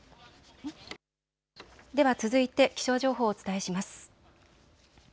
では続いて気象情報をお伝えします。